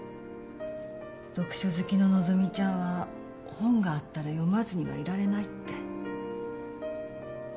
読書好きの希ちゃんは本があったら読まずにはいられないって。